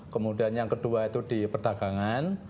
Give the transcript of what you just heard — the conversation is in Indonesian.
kemudian yang kedua itu di perdagangan